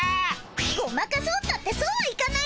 ごまかそうったってそうはいかないよ。